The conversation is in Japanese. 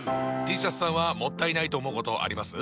Ｔシャツさんはもったいないと思うことあります？